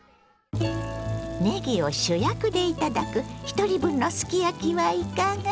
ねぎを主役で頂くひとり分のすき焼きはいかが？